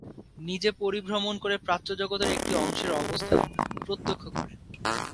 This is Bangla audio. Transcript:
নিজে পরিভ্রমণ করে প্রাচ্য জগতের একটি অংশের অবস্থা প্রত্যক্ষ করেন।